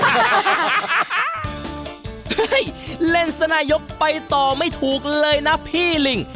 เล่นสนายกไปต่อไม่ถูกเลยนะพี่ลิง